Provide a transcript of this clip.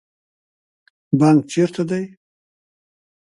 بانک چیرته دی؟